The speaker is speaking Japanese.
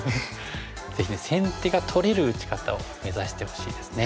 ぜひね先手が取れる打ち方を目指してほしいですね。